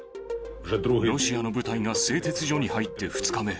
ロシアの部隊が製鉄所に入って２日目。